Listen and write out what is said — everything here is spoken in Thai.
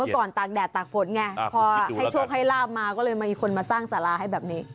ก่อนตากแดดตากฝนไงพอให้โชคให้ลาบมาก็เลยมีคนมาสร้างสาราให้แบบนี้